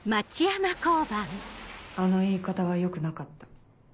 あの言い方はよくなかった。